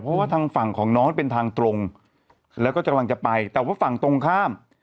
เพราะว่าทางฝั่งของน้องเป็นทางตรงแล้วก็กำลังจะไปแต่ว่าฝั่งตรงข้าม